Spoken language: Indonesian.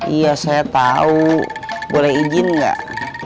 iya saya tahu boleh izin nggak